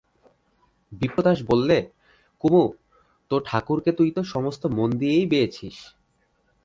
বিপ্রদাস বললে, কুমু, তোর ঠাকুরকে তুই তো সমস্ত মন দিয়েই পেয়েছিস।